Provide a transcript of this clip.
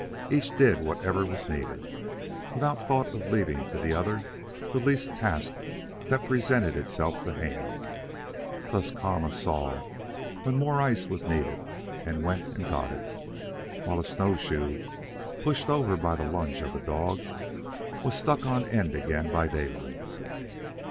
Each did whatever was needed, without thought of leaving to the other the least task that presented itself to hand. Thus, Kama saw when more ice was needed and went and got it, while a snowshoe, pushed over by the lunge of a dog, was stuck on end again by Daylight.